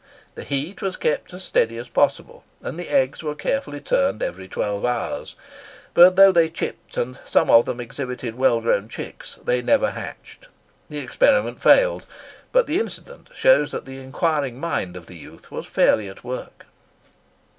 The heat was kept as steady as possible, and the eggs were carefully turned every twelve hours, but though they chipped, and some of them exhibited well grown chicks, they never hatched. The experiment failed, but the incident shows that the inquiring mind of the youth was fairly at work.